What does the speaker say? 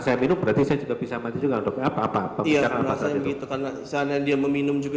saya minum berarti saya juga bisa mati juga dokter apa apa iya gitu karena sana dia meminum juga